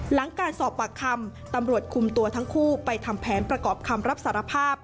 หลังการสอบปากคำตำรวจคุมตัวทั้งคู่ไปทำแผนประกอบคำรับสารภาพ